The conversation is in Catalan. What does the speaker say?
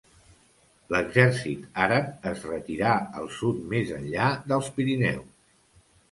L'exèrcit àrab es retirà al sud més enllà dels Pirineus.